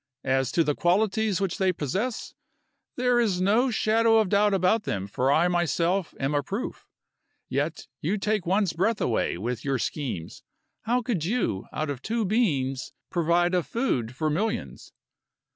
As to the qualities which they possess, there is no shadow of doubt about them for I myself am a proof. Yet you take one's breath away with your schemes. How could you, out of two beans, provide a food for millions?"